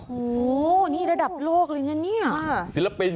โหนี่ระดับโลกเลยงั้นเนี่ย